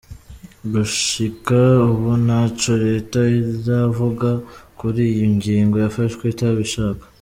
Gushika ubu nta co reta iravuga kuri iyo ngingo yafashwe itabishaka.